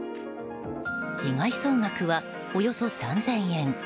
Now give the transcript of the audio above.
被害総額はおよそ３０００円。